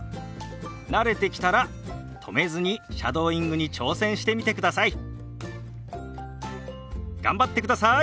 慣れてきたら止めずにシャドーイングに挑戦してみてください。頑張ってください！